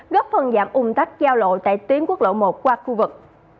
góp phần giảm ung tắc giao lộ tại tuyến quốc lộ một qua khu vực